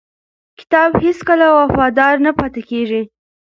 کتاب هیڅکله وفادار نه پاتې کېږي.